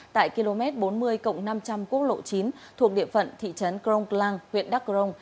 tại km bốn mươi năm trăm linh quốc lộ chín thuộc địa phận thị trấn crong clang huyện đắk rồng